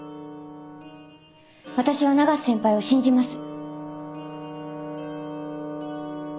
私は永瀬先輩を信じます。